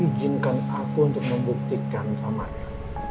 ijinkan aku untuk membuktikan sama dia